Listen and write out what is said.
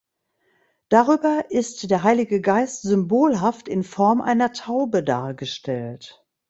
Darüber ist der Heilige Geist symbolhaft in Form einer Taube dargestellt.